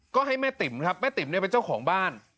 ก็ให้แม่ติ๋มครับแม่ติ๋มเนี่ยเป็นเจ้าของบ้าน